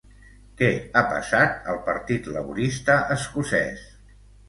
Què ha passat al Partit Laborista escocès?